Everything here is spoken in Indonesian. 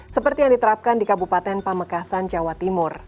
seperti yang diterapkan di kabupaten pamekasan jawa timur